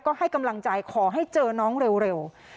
ก็ให้กำลังใจขอให้เจอน้องเร็ว